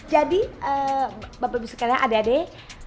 jadi bapak ibu sekalian adek adek